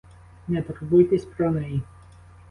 Не турбуйтесь про неї.